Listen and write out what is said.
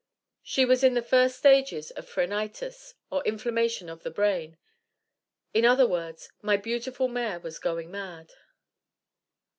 She was in the first stages of phrenitis, or inflammation of the brain. In other words, _my beautiful mare was going mad.